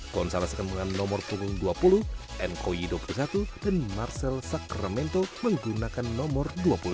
gonzalez dengan nomor dua puluh dua puluh nkoyi dua puluh satu dan marcel sacramento menggunakan nomor dua puluh lima